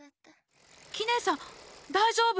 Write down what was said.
キネさんだいじょうぶ？